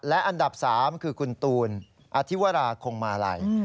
และอันดับ๓คือคุณตูนอธิวราคงมาลัย